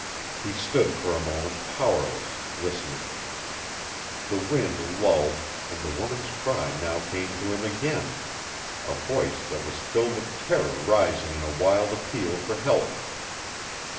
He stood for a moment powerless, listening. The wind lulled, and the woman's cry now came to him again a voice that was filled with terror rising in a wild appeal for help.